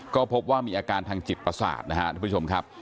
ก็พบว่ามีอาการทางจิตประสาทนะครับทุกผู้ชมครับ